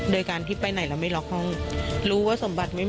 เดินไปยังไม่นานน่ะ